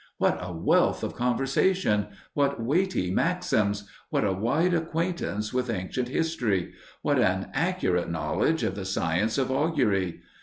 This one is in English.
What a wealth of conversation! What weighty maxims! What a wide acquaintance with ancient history! What an accurate knowledge of the science of augury!